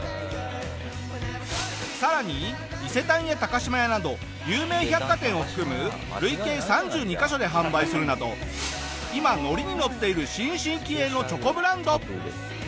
さらに伊勢丹や高島屋など有名百貨店を含む累計３２カ所で販売するなど今ノリにノッている新進気鋭のチョコブランド。